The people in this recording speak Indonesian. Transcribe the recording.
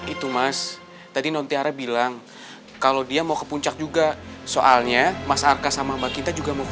itu mas tadi non tiara bilang kalau dia mau ke puncak juga soalnya mas arka sama mbak kita juga mau